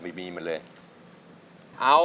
แหละคุณภาพแหละคุณภาพ